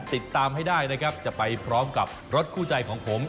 ติดตามให้ได้นะครับจะไปพร้อมกับรถคู่ใจของผม